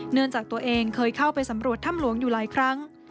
จากตัวเองเคยเข้าไปสำรวจถ้ำหลวงอยู่หลายครั้ง